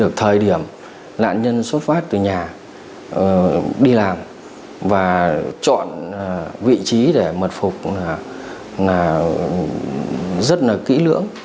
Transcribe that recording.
chọn vị trí để mật phục là rất là kỹ lưỡng